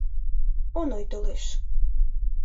Оной толеш.